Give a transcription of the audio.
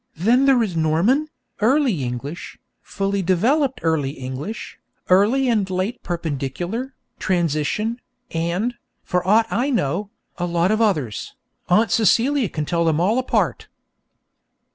Then there is Norman, Early English, fully developed Early English, Early and Late Perpendicular, Transition, and, for aught I know, a lot of others. Aunt Celia can tell them all apart.